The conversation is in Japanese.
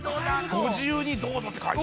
ご自由にどうぞって書いて。